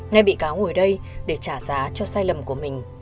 nay bị cáo ngồi đây để trả giá cho sai lầm của mình